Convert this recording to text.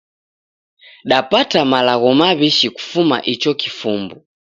Dapata malagho maw'ishi kufuma icho kifumbu.